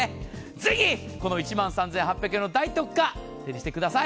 ぜひこの１万３８００円の大特価手にしてください。